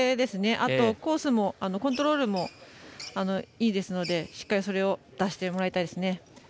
あと、コースもコントロールもいいですのでしっかりそれを出してもらいたいです。